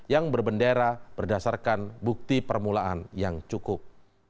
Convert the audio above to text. yang berbendera berdasarkan bukti permulaan yang cukup